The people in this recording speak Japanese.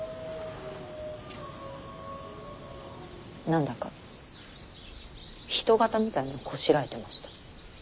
何だか人形みたいなのをこしらえてました。